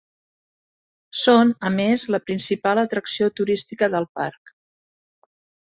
Són, a més, la principal atracció turística del parc.